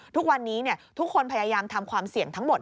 ทุกวันนี้ทุกคนพยายามทำความเสี่ยงทั้งหมด